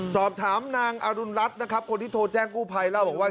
สอบถามนางอรุณรัฐนะครับคนที่โทรแจ้งกู้ภัยเล่าบอกว่า